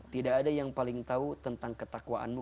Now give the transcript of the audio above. tidak ada yang paling tahu tentang ketakwaanmu